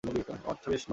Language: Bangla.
আচ্ছা বেশ, নড়ব।